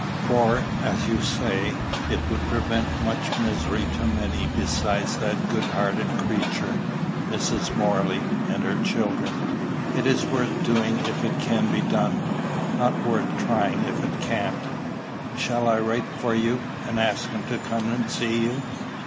For, as you say, it would prevent much misery to many besides that good hearted creature, Mrs. Morley, and her children. It is worth doing if it can be done not worth trying if it can't." "Shall I write for you, and ask him to come and see you?"